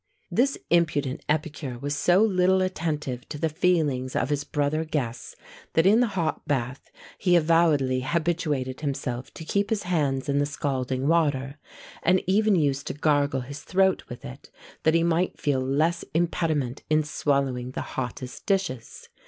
This impudent epicure was so little attentive to the feelings of his brother guests, that in the hot bath he avowedly habituated himself to keep his hands in the scalding water; and even used to gargle his throat with it, that he might feel less impediment in swallowing the hottest dishes.